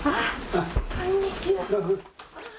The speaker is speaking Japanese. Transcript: こんにちは。